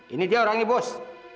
ini dia orangnya bos